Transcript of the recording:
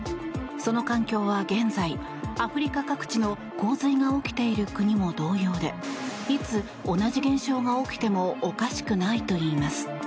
その環境は現在、アフリカ各地の洪水が起きている国も同様でいつ同じ現象が起きてもおかしくないといいます。